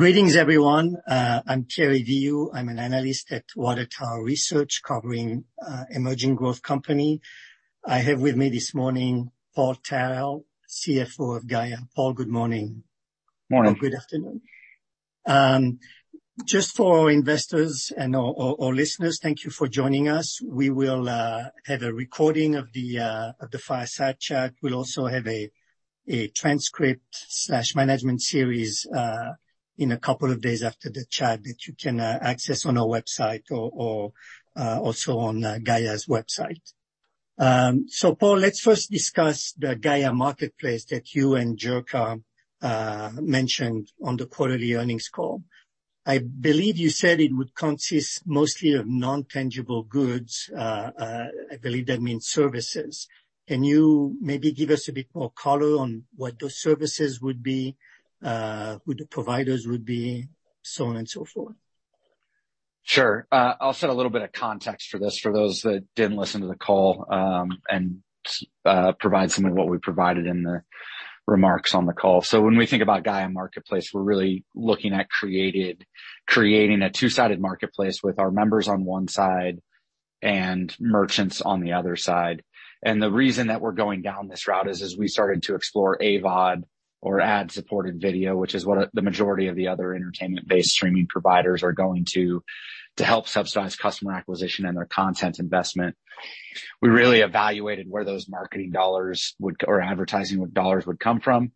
Greetings, everyone. I'm Terry Filbert. I'm an analyst at Water Tower Research, covering, emerging growth company. I have with me this morning Paul Tarell, CFO of Gaia. Paul, good morning. Morning. Good afternoon. Just for our investors and our listeners, thank you for joining us. We will have a recording of the fireside chat. We'll also have a transcript/management series in a couple of days after the chat that you can access on our website or also on Gaia's website. Paul, let's first discuss the Gaia Marketplace that you and Jirka mentioned on the quarterly earnings call. I believe you said it would consist mostly of non-tangible goods, I believe that means services. Can you maybe give us a bit more color on what those services would be, who the providers would be, so on and so forth? Sure. I'll set a little bit of context for this for those that didn't listen to the call, and provide some of what we provided in the remarks on the call. When we think about Gaia Marketplace, we're really looking at creating a two-sided marketplace with our members on one side and merchants on the other side. The reason that we're going down this route is, as we started to explore AVOD or ad-supported video, which is what the majority of the other entertainment-based streaming providers are going to help subsidize customer acquisition and their content investment. We really evaluated where those marketing dollars or advertising dollars would come from,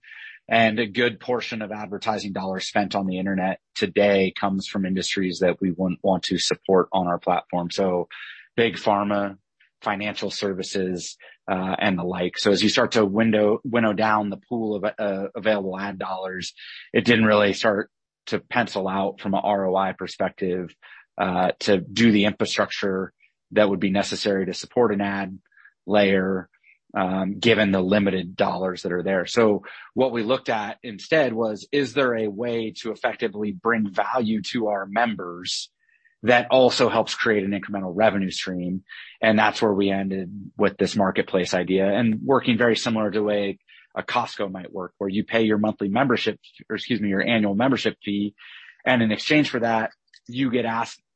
and a good portion of advertising dollars spent on the Internet today comes from industries that we wouldn't want to support on our platform. Big Pharma, financial services, and the like. As you start to winnow down the pool of available ad dollars, it didn't really start to pencil out from a ROI perspective to do the infrastructure that would be necessary to support an ad layer given the limited dollars that are there. What we looked at instead was, is there a way to effectively bring value to our members that also helps create an incremental revenue stream? That's where we ended with this marketplace idea and working very similar to the way a Costco might work, where you pay your monthly membership, or excuse me, your annual membership fee, and in exchange for that, you get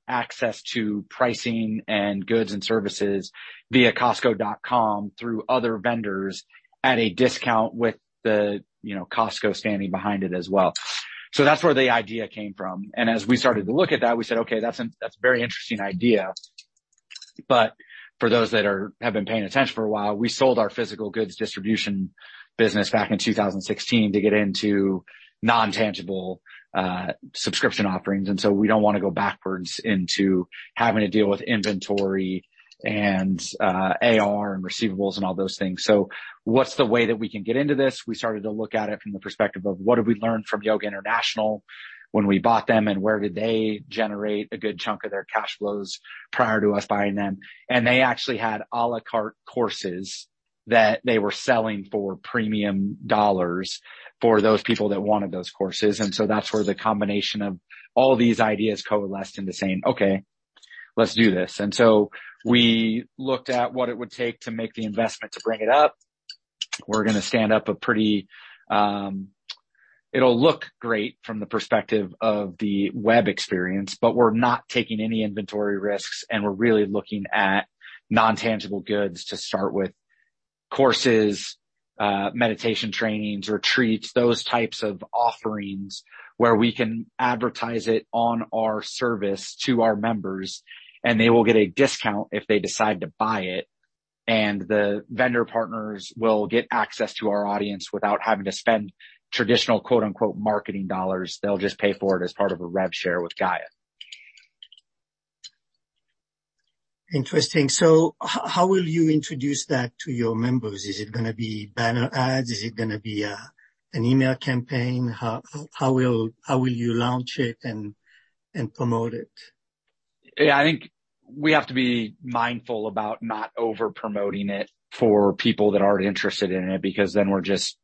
access to pricing and goods and services via Costco.com through other vendors at a discount with the, you know, Costco standing behind it as well. That's where the idea came from. As we started to look at that, we said, okay, that's a very interesting idea. For those that have been paying attention for a while, we sold our physical goods distribution business back in 2016 to get into non-tangible subscription offerings. We don't wanna go backwards into having to deal with inventory and AR and receivables and all those things. What's the way that we can get into this? We started to look at it from the perspective of what did we learn from Yoga International when we bought them, and where did they generate a good chunk of their cash flows prior to us buying them. They actually had à la carte courses that they were selling for premium dollars for those people that wanted those courses. That's where the combination of all these ideas coalesced into saying, "Okay, let's do this." We looked at what it would take to make the investment to bring it up. We're gonna stand up. It'll look great from the perspective of the web experience, but we're not taking any inventory risks, and we're really looking at non-tangible goods to start with. Courses, meditation trainings, retreats, those types of offerings, where we can advertise it on our service to our members, and they will get a discount if they decide to buy it. The vendor partners will get access to our audience without having to spend traditional, quote-unquote, "marketing dollars." They'll just pay for it as part of a rev share with Gaia. Interesting. How will you introduce that to your members? Is it gonna be banner ads? Is it gonna be an email campaign? How will you launch it and promote it? I think we have to be mindful about not over-promoting it for people that aren't interested in it, because then we're just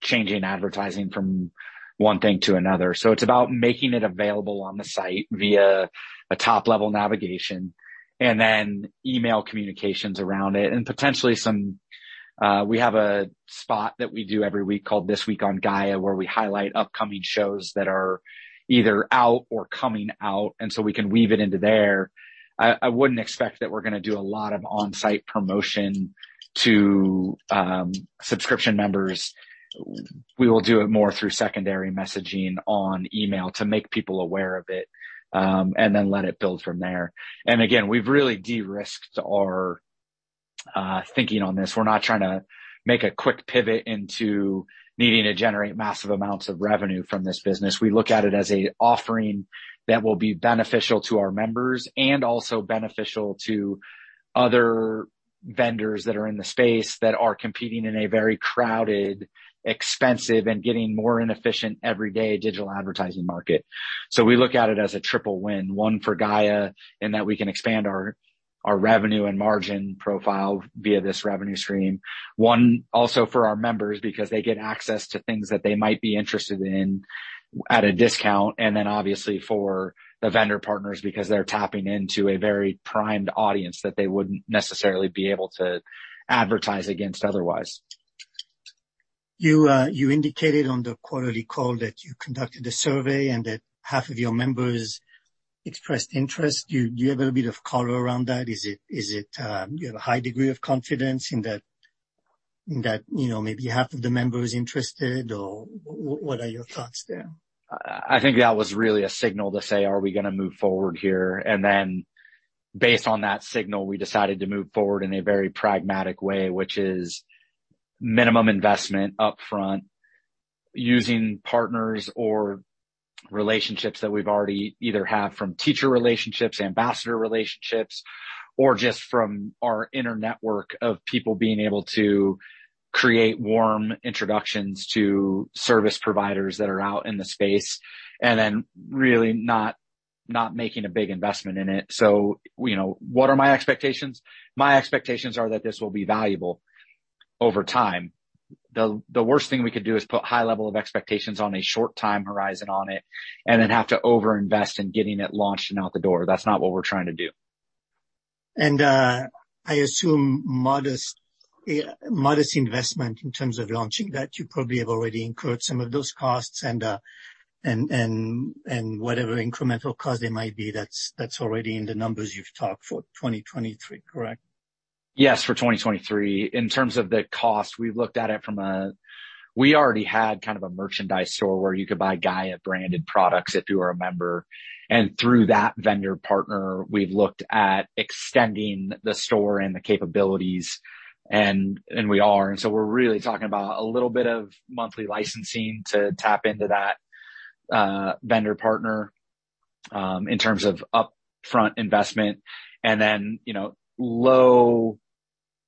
changing advertising from one thing to another. It's about making it available on the site via a top-level navigation and then email communications around it and potentially some. We have a spot that we do every week called This Week on Gaia, where we highlight upcoming shows that are either out or coming out. We can weave it into there. I wouldn't expect that we're gonna do a lot of on-site promotion to subscription members. We will do it more through secondary messaging on email to make people aware of it, let it build from there. We've really de-risked our thinking on this. We're not trying to make a quick pivot into needing to generate massive amounts of revenue from this business. We look at it as a offering that will be beneficial to our members and also beneficial to other vendors that are in the space that are competing in a very crowded, expensive, and getting more inefficient every day digital advertising market. We look at it as a triple win, one for Gaia, in that we can expand our revenue and margin profile via this revenue stream. One also for our members because they get access to things that they might be interested in at a discount, and then obviously for the vendor partners because they're tapping into a very primed audience that they wouldn't necessarily be able to advertise against otherwise. You indicated on the quarterly call that you conducted a survey and that half of your members expressed interest. Do you have a little bit of color around that? Is it you have a high degree of confidence in that, in that, you know, maybe half of the members interested, or what are your thoughts there? I think that was really a signal to say, are we gonna move forward here? Based on that signal, we decided to move forward in a very pragmatic way, which is minimum investment upfront using partners or relationships that we've already either have from teacher relationships, ambassador relationships, or just from our inner network of people being able to create warm introductions to service providers that are out in the space, and then really not making a big investment in it. You know, what are my expectations? My expectations are that this will be valuable over time. The worst thing we could do is put high level of expectations on a short time horizon on it and then have to over-invest in getting it launched and out the door. That's not what we're trying to do. I assume modest investment in terms of launching that you probably have already incurred some of those costs and whatever incremental cost it might be, that's already in the numbers you've talked for 2023, correct? Yes, for 2023. In terms of the cost, we looked at it. We already had kind of a merchandise store where you could buy Gaia branded products if you were a member. Through that vendor partner, we've looked at extending the store and the capabilities, and we are. So we're really talking about a little bit of monthly licensing to tap into that vendor partner in terms of upfront investment. Then, you know,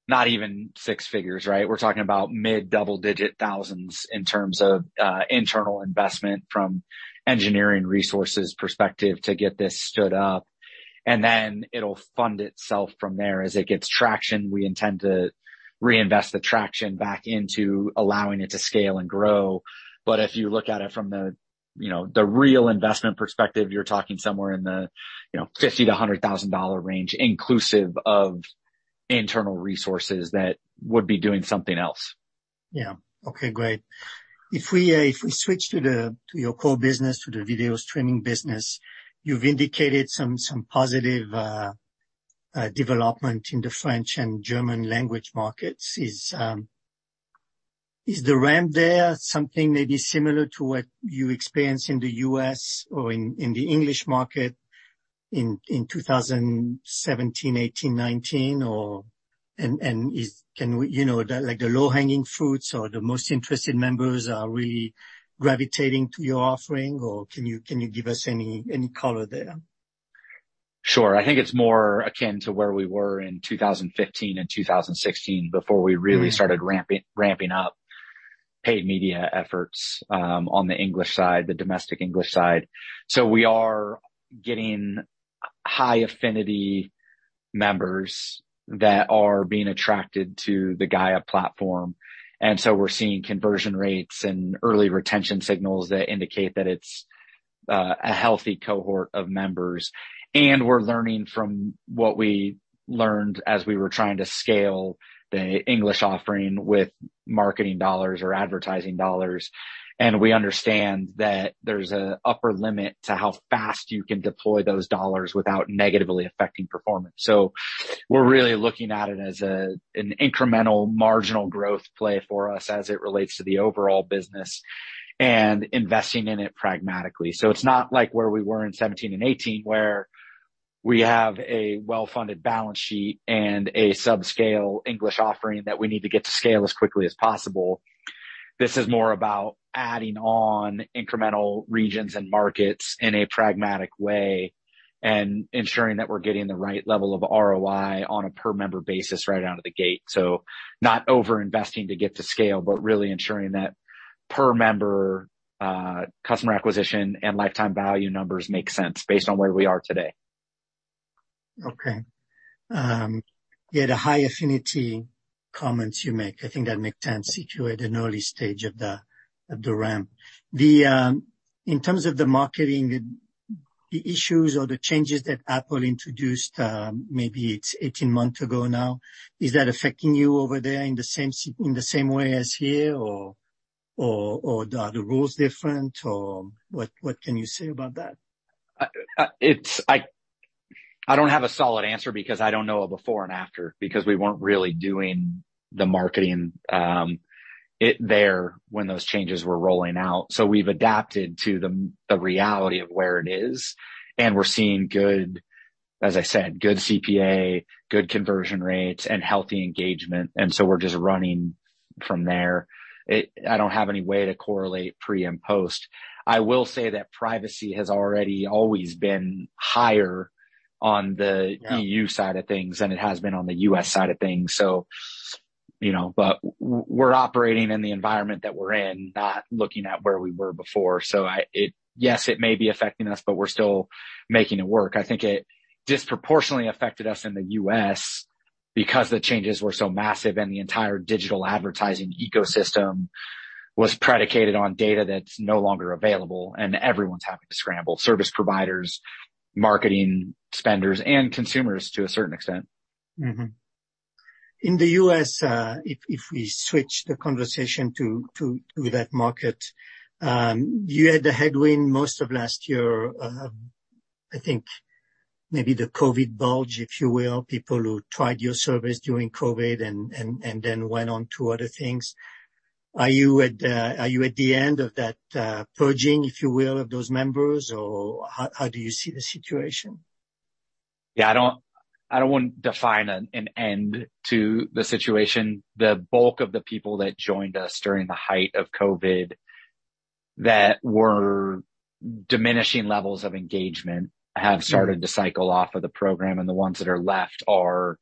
low, not even 6 figures, right? We're talking about mid double-digit thousands in terms of internal investment from engineering resources perspective to get this stood up. Then it'll fund itself from there. As it gets traction, we intend to reinvest the traction back into allowing it to scale and grow. If you look at it from the, you know, the real investment perspective, you're talking somewhere in the, you know, $50,000-$100,000 range, inclusive of internal resources that would be doing something else. Yeah. Okay, great. If we switch to your core business, to the video streaming business, you've indicated some positive development in the French and German language markets. Is the ramp there something maybe similar to what you experienced in the U.S. or in the English market in 2017, 2018, 2019? You know, like, the low-hanging fruits or the most interested members are really gravitating to your offering or can you give us any color there? Sure. I think it's more akin to where we were in 2015 and 2016 before we really started ramping up paid media efforts on the English side, the domestic English side. We are getting high affinity members that are being attracted to the Gaia platform. We're seeing conversion rates and early retention signals that indicate that it's a healthy cohort of members. We're learning from what we learned as we were trying to scale the English offering with marketing dollars or advertising dollars. We understand that there's an upper limit to how fast you can deploy those dollars without negatively affecting performance. We're really looking at it as an incremental marginal growth play for us as it relates to the overall business and investing in it pragmatically. It's not like where we were in 2017 and 2018, where we have a well-funded balance sheet and a subscale English offering that we need to get to scale as quickly as possible. This is more about adding on incremental regions and markets in a pragmatic way and ensuring that we're getting the right level of ROI on a per member basis right out of the gate. Not over-investing to get to scale, but really ensuring that per member customer acquisition and lifetime value numbers make sense based on where we are today. Yeah, the high affinity comments you make, I think that make sense. You at an early stage of the, of the ramp. In terms of the marketing, the issues or the changes that Apple introduced, maybe it's 18 months ago now, is that affecting you over there in the same way as here or, or are the rules different? What, what can you say about that? I don't have a solid answer because I don't know a before and after because we weren't really doing the marketing, there when those changes were rolling out. We've adapted to the reality of where it is, and we're seeing good, as I said, good CPA, good conversion rates and healthy engagement, and so we're just running from there. I don't have any way to correlate pre and post. I will say that privacy has already always been higher on the. Yeah... E.U side of things than it has been on the U.S side of things. you know, we're operating in the environment that we're in, not looking at where we were before. Yes, it may be affecting us, but we're still making it work. I think it disproportionately affected us in the U.S because the changes were so massive and the entire digital advertising ecosystem was predicated on data that's no longer available, and everyone's having to scramble. Service providers, marketing spenders, and consumers to a certain extent. In the U.S., if we switch the conversation to that market. You had the headwind most of last year, I think maybe the COVID bulge, if you will, people who tried your service during COVID and then went on to other things. Are you at the end of that purging, if you will, of those members, or how do you see the situation? I don't, I don't want to define an end to the situation. The bulk of the people that joined us during the height of COVID that were diminishing levels of engagement have started to cycle off of the program, and the ones that are left are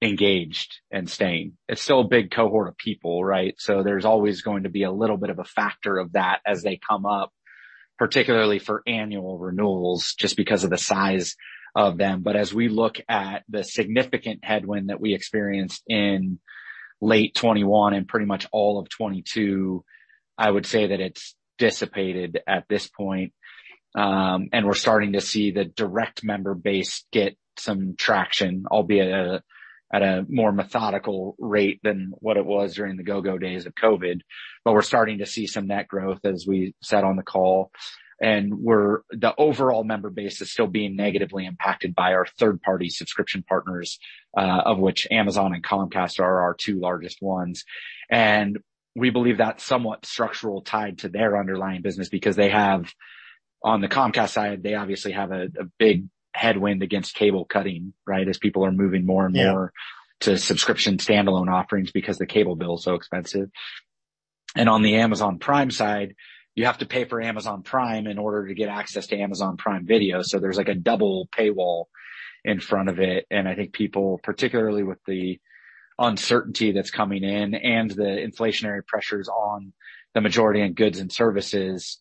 engaged and staying. It's still a big cohort of people, right? There's always going to be a little bit of a factor of that as they come up, particularly for annual renewals, just because of the size of them. As we look at the significant headwind that we experienced in late 2021 and pretty much all of 2022, I would say that it's dissipated at this point. And we're starting to see the direct member base get some traction, albeit at a, at a more methodical rate than what it was during the go-go days of COVID. We're starting to see some net growth, as we said on the call. The overall member base is still being negatively impacted by our third-party subscription partners, of which Amazon and Comcast are our two largest ones. We believe that's somewhat structural tied to their underlying business because they have. On the Comcast side, they obviously have a big headwind against cable cutting, right? As people are moving more and more... Yeah. -to subscription standalone offerings because the cable bill is so expensive. On the Amazon Prime side, you have to pay for Amazon Prime in order to get access to Amazon Prime Video. There's like a double paywall in front of it. I think people, particularly with the uncertainty that's coming in and the inflationary pressures on the majority in goods and services,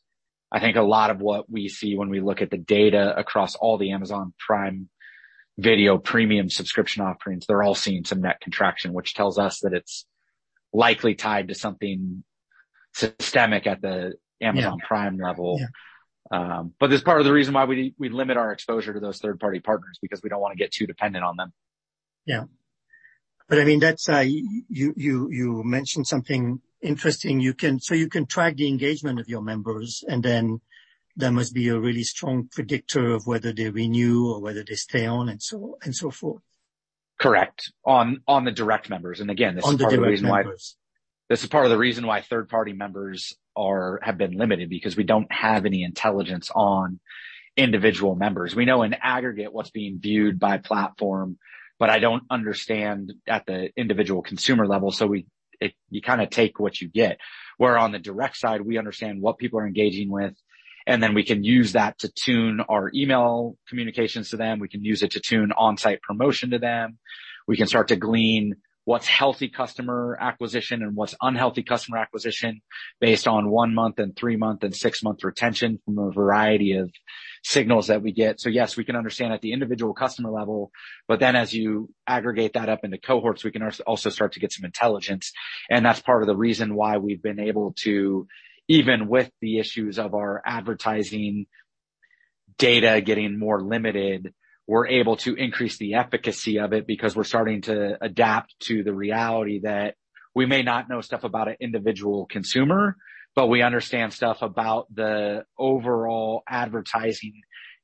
I think a lot of what we see when we look at the data across all the Amazon Prime Video premium subscription offerings, they're all seeing some net contraction, which tells us that it's likely tied to something systemic at the Amazon Prime level. Yeah. That's part of the reason why we limit our exposure to those third-party partners, because we don't wanna get too dependent on them. Yeah. I mean, that's... You mentioned something interesting. You can track the engagement of your members, that must be a really strong predictor of whether they renew or whether they stay on and so, and so forth. Correct. On the direct members. Again, this is part of the reason why... On the direct members. This is part of the reason why third-party members have been limited, because we don't have any intelligence on individual members. We know in aggregate what's being viewed by platform, I don't understand at the individual consumer level, you kind of take what you get. Where on the direct side, we understand what people are engaging with, we can use that to tune our email communications to them. We can use it to tune on-site promotion to them. We can start to glean what's healthy customer acquisition and what's unhealthy customer acquisition based on one-month and 3-month and 6-month retention from a variety of signals that we get. Yes, we can understand at the individual customer level, as you aggregate that up into cohorts, we can also start to get some intelligence. That's part of the reason why we've been able to, even with the issues of our advertising data getting more limited, we're able to increase the efficacy of it because we're starting to adapt to the reality that we may not know stuff about an individual consumer, but we understand stuff about the overall advertising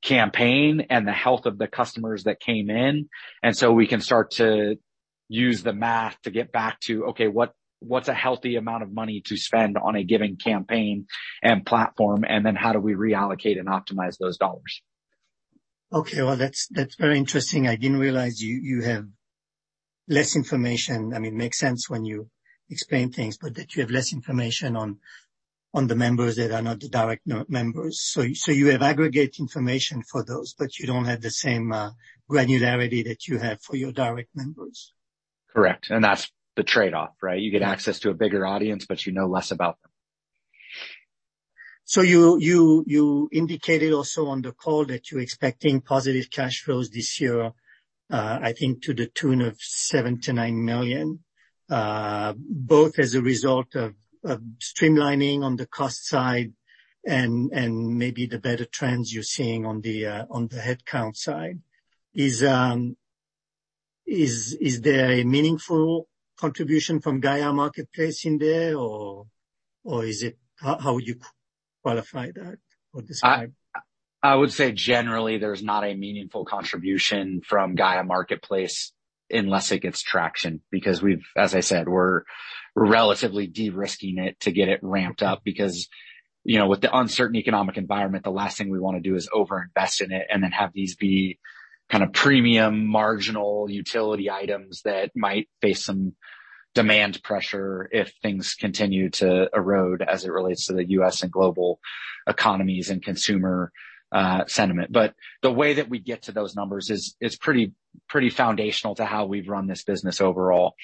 campaign and the health of the customers that came in. So we can start to use the math to get back to, okay, what's a healthy amount of money to spend on a given campaign and platform, and then how do we reallocate and optimize those dollars? Okay. Well, that's very interesting. I didn't realize you have less information. I mean, it makes sense when you explain things, but that you have less information on the members that are not the direct members. You have aggregate information for those, but you don't have the same granularity that you have for your direct members. Correct. That's the trade-off, right? You get access to a bigger audience, but you know less about them. You indicated also on the call that you're expecting positive cash flows this year, I think to the tune of $7 million-$9 million, both as a result of streamlining on the cost side and maybe the better trends you're seeing on the headcount side. Is there a meaningful contribution from Gaia Marketplace in there or is it? How would you qualify that or describe? I would say generally there's not a meaningful contribution from Gaia Marketplace unless it gets traction. As I said, we're relatively de-risking it to get it ramped up because, you know, with the uncertain economic environment, the last thing we wanna do is over-invest in it and then have these be kind of premium marginal utility items that might face some demand pressure if things continue to erode as it relates to the U.S. and global economies and consumer sentiment. The way that we get to those numbers is pretty foundational to how we've run this business overall.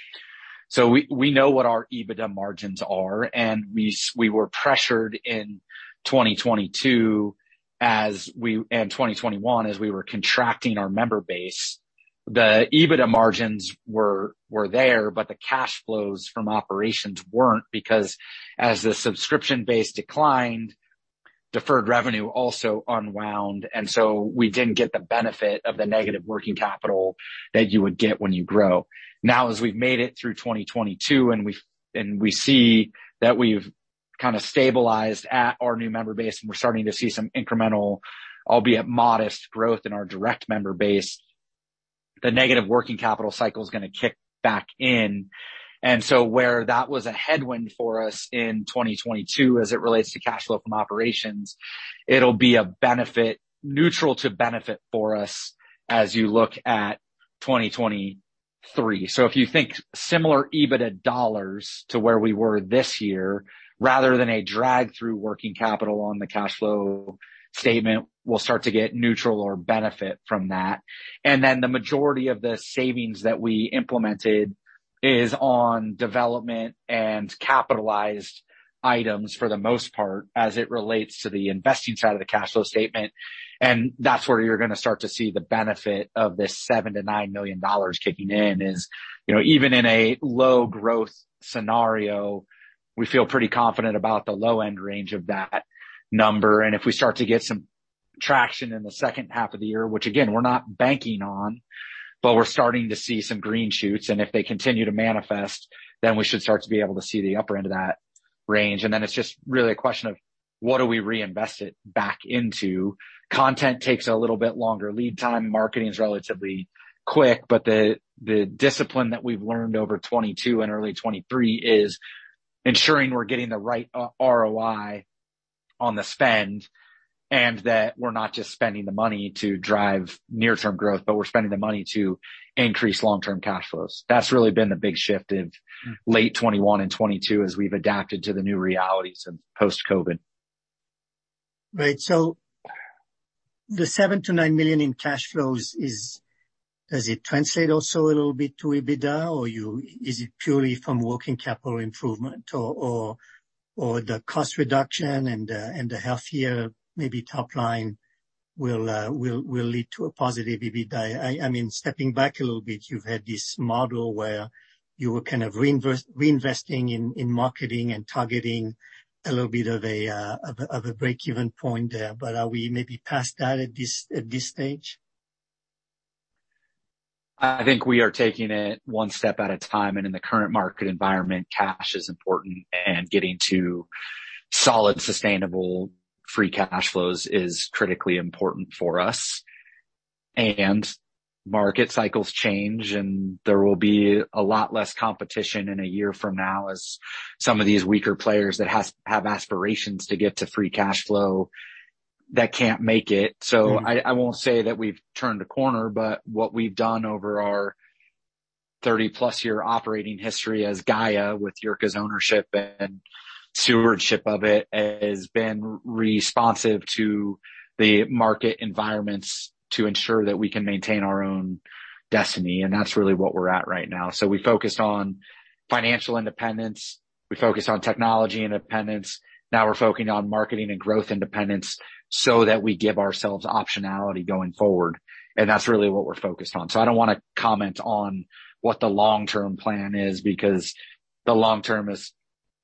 We know what our EBITDA margins are, and we were pressured in 2022 as we and 2021, as we were contracting our member base. The EBITDA margins were there, but the cash flows from operations weren't because as the subscription base declined. Deferred revenue also unwound, so we didn't get the benefit of the negative working capital that you would get when you grow. As we've made it through 2022 and we see that we've kinda stabilized at our new member base and we're starting to see some incremental, albeit modest growth in our direct member base, the negative working capital cycle is gonna kick back in. So where that was a headwind for us in 2022 as it relates to cash flow from operations, it'll be neutral to benefit for us as you look at 2023. If you think similar $ EBITDA to where we were this year, rather than a drag through working capital on the cash flow statement, we'll start to get neutral or benefit from that. The majority of the savings that we implemented is on development and capitalized items for the most part as it relates to the investing side of the cash flow statement. That's where you're gonna start to see the benefit of this $7 million-$9 million kicking in, is, you know, even in a low growth scenario, we feel pretty confident about the low-end range of that number. If we start to get some traction in the second half of the year, which again, we're not banking on, but we're starting to see some green shoots, and if they continue to manifest, then we should start to be able to see the upper end of that range. Then it's just really a question of what do we reinvest it back into. Content takes a little bit longer lead time. Marketing is relatively quick, but the discipline that we've learned over 2022 and early 2023 is ensuring we're getting the right ROI on the spend, and that we're not just spending the money to drive near-term growth, but we're spending the money to increase long-term cash flows. That's really been the big shift in late 2021 and 2022 as we've adapted to the new realities of post-COVID. Right. The $7 million-$9 million in cash flows, does it translate also a little bit to EBITDA, or is it purely from working capital improvement or the cost reduction and the healthier maybe top line will lead to a positive EBITDA? I mean, stepping back a little bit, you've had this model where you were kind of reinvesting in marketing and targeting a little bit of a break-even point there. Are we maybe past that at this stage? I think we are taking it one step at a time. In the current market environment, cash is important, and getting to solid, sustainable free cash flows is critically important for us. Market cycles change, and there will be a lot less competition in a year from now as some of these weaker players that have aspirations to get to free cash flow that can't make it. I won't say that we've turned a corner, but what we've done over our 30-plus year operating history as Gaia with Jirka's ownership and stewardship of it, has been responsive to the market environments to ensure that we can maintain our own destiny. That's really what we're at right now. We focused on financial independence, we focused on technology independence. Now we're focusing on marketing and growth independence so that we give ourselves optionality going forward. That's really what we're focused on. I don't wanna comment on what the long-term plan is because the long term, as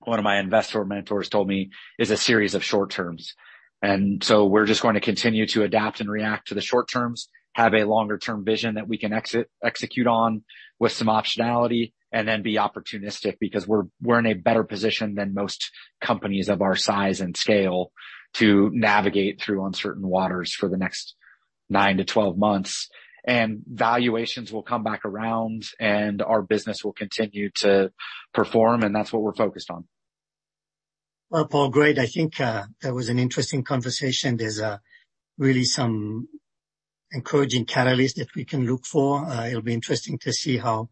one of my investor mentors told me, is a series of short terms. We're just going to continue to adapt and react to the short terms, have a longer-term vision that we can execute on with some optionality, and then be opportunistic because we're in a better position than most companies of our size and scale to navigate through uncertain waters for the next 9-12 months. Valuations will come back around and our business will continue to perform, and that's what we're focused on. Well, Paul, great. I think that was an interesting conversation. There's really some encouraging catalyst that we can look for. It'll be interesting to see how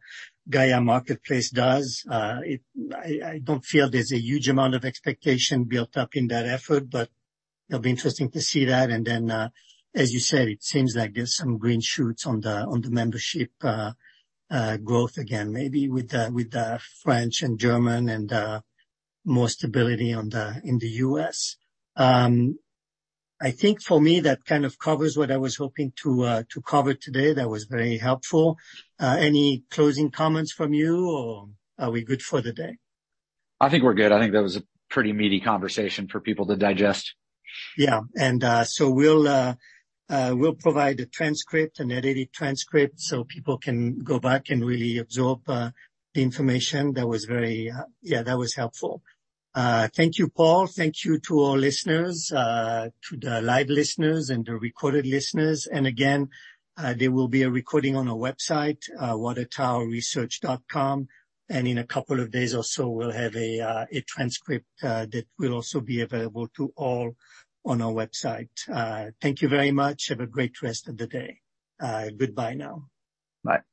Gaia Marketplace does. I don't feel there's a huge amount of expectation built up in that effort, but it'll be interesting to see that. As you said, it seems like there's some green shoots on the membership growth again, maybe with the French and German and more stability in the U.S. I think for me, that kind of covers what I was hoping to cover today. That was very helpful. Any closing comments from you? Are we good for the day? I think we're good. I think that was a pretty meaty conversation for people to digest. Yeah. So we'll provide a transcript, an edited transcript, so people can go back and really absorb the information. That was very. Yeah, that was helpful. Thank you, Paul. Thank you to our listeners, to the live listeners and the recorded listeners. Again, there will be a recording on our website, watertowerresearch.com. In a couple of days or so, we'll have a transcript that will also be available to all on our website. Thank you very much. Have a great rest of the day. Goodbye now. Bye.